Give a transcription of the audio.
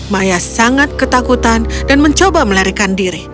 maya sangat ketakutan dan mencoba melarikan diri